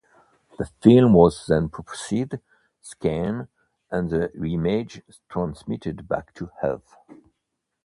The film was then processed, scanned, and the images transmitted back to Earth.